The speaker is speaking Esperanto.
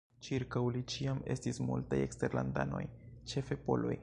Ĉirkaŭ li ĉiam estis multaj eksterlandanoj, ĉefe poloj.